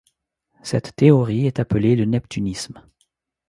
Cette théorie est appelée le neptunisme.